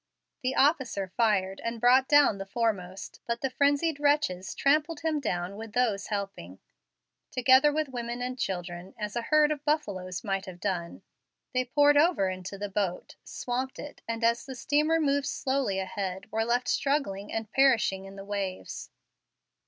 The officer fired and brought down the foremost, but the frenzied wretches trampled him down with those helping, together with women and children, as a herd of buffaloes might have done. They poured over into the boat, swamped it, and as the steamer moved slowly ahead, were left struggling and perishing in the waves.